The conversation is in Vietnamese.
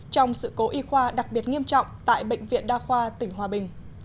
trong sự cố y khoa đặc biệt nghiêm trọng tại bệnh viện đa khoa tỉnh hòa bình